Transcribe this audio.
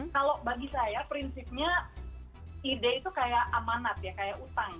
kalau bagi saya prinsipnya ide itu kayak amanat ya kayak utang